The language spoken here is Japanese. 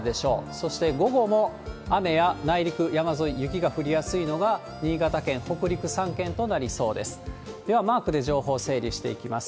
そして、午後も雨や内陸、山沿い、雪が降りやすいのが新潟県、北陸３県となりそうです。